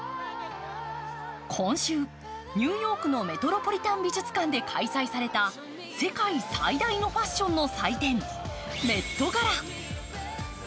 今週、ニューヨークのメトロポリタン美術館で開催された世界最大のファッションの祭典メットガラ。